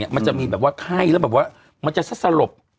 มันจะมีไข้และมันจะสะสะลบ